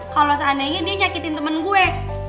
kalau seandainya dia nyakitin temen gue